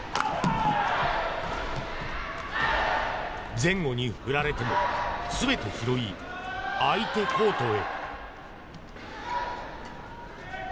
前後に振られても、全て拾い相手コートへ。